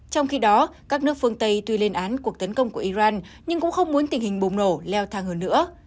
trong khi đó các nước phương tây tuy lên án cuộc tấn công của iran nhưng cũng không muốn tình hình bùng nổ leo thang hơn nữa